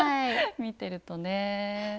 見てるとねえ。